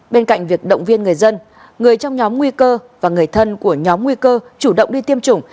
bên cạnh việc động viên người dân người trong nhóm nguy cơ và người thân của nhóm nguy cơ chủ động đi tiêm chủng